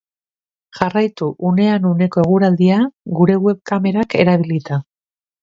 Jarraitu unean uneko eguraldia gure web-kamerak erabilita.